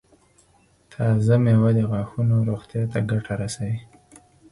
تازه مېوه د غاښونو روغتیا ته ګټه رسوي.